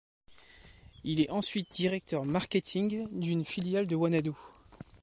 Il est ensuite directeur marketing d'une filiale de Wanadoo.